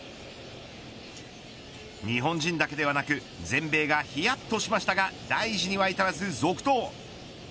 日本人だけではなく全米がひやっとしましたが大事には至らず続投。